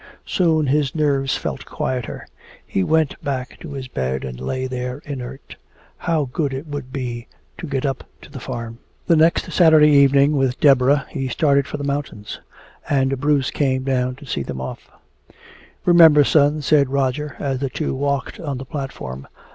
Soon his nerves felt quieter. He went back to his bed and lay there inert. How good it would be to get up to the farm. The next Saturday evening, with Deborah, he started for the mountains. And Bruce came down to see them off. "Remember, son," said Roger, as the two walked on the platform.